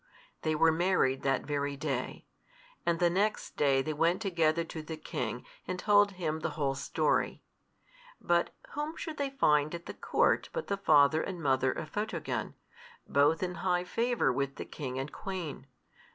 They were married that very day. And the next day they went together to the king, and told him the whole story. But whom should they find at the court but the father and mother of Photogen, both in high favor with the king and queen.